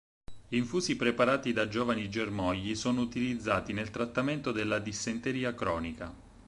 Infusi preparati da giovani germogli sono utilizzati nel trattamento della dissenteria cronica.